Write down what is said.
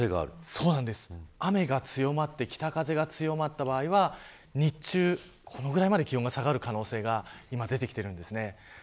雨が強まって北風が強まった場合は日中このぐらいまで気温が下がる可能性が出てきています。